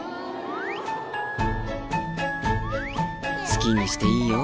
好きにしていいよ。